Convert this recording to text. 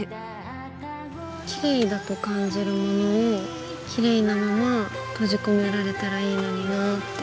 きれいだと感じるものをきれいなまま閉じ込められたらいいのになぁって。